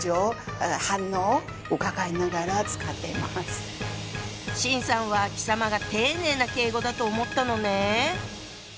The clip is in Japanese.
はぁ⁉秦さんは「貴様」が丁寧な敬語だと思ったのね。